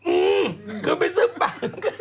อื้อคือไม่ซึ้มปาก